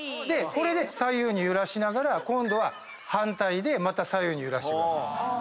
これで左右に揺らしながら今度は反対でまた左右に揺らしてください。